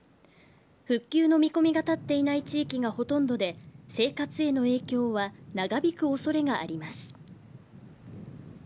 復旧の見込みが立っていない地域がほとんどで生活への影響は長引く恐れがあります。